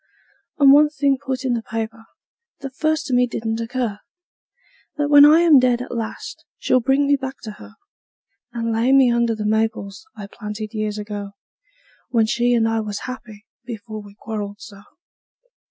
And one thing put in the paper, that first to me didn't occur: That when I am dead at last she'll bring me back to her; And lay me under the maples I planted years ago, When she and I was happy before we quarreled so.